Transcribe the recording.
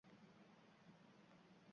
Narsalar haqida seni ogoh qilishi mumkin.